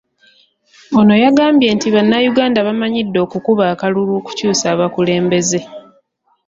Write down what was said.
Ono yagambye nti Bannayuganda bamanyidde okukuba akalulu okukyusa abakulembeze.